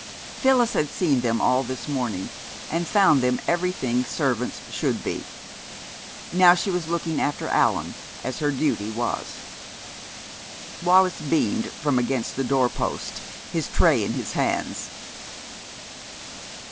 Phyllis had seen them all this morning, and found them everything servants should be. Now she was looking after Allan, as her duty was. Wallis beamed from against the door post, his tray in his hands.